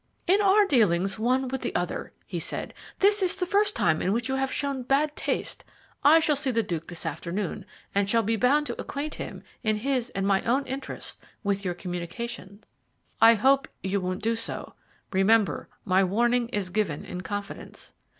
"In our dealings one with the other," he said, "this is the first time in which you have shown bad taste. I shall see the Duke this afternoon, and shall be bound to acquaint him, in his and my own interests, with your communication." "I hope you won't do so. Remember, my warning is given in confidence."